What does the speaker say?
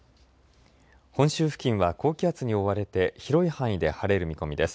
本州付近は高気圧に覆われて広い範囲で晴れる見込みです。